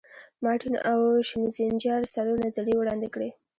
مارټین او شینزینجر څلور نظریې وړاندې کړي.